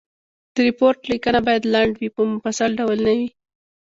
د ریپورټ لیکنه باید لنډ وي په مفصل ډول نه وي.